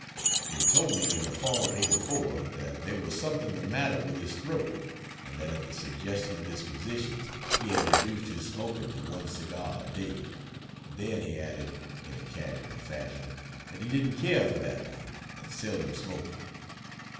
He told me in the fall of '84 that there was something the matter with his throat, and that at the suggestion of his physicians he had reduced his smoking to one cigar a day. Then he added, in a casual fashion, that he didn't care for that one, and seldom smoked it.